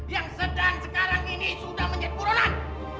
yang sedang sekarang ini sudah menyedih kuronan